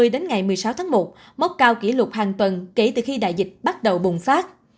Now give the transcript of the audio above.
đến ngày một mươi sáu tháng một mốc cao kỷ lục hàng tuần kể từ khi đại dịch bắt đầu bùng phát